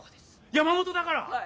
山本だから？